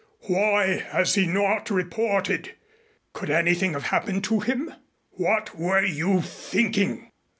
Why has he not reported? Could anything have happened to him? What were you thinking?"